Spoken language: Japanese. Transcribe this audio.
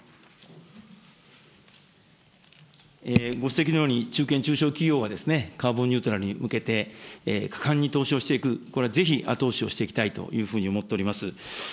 ご指摘のように、中堅・中小企業はカーボンニュートラルに向けて、果敢に投資をしていく、これはぜひ後押しをしていきたいというふうに思っております。